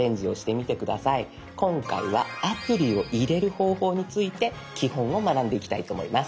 今回はアプリを入れる方法について基本を学んでいきたいと思います。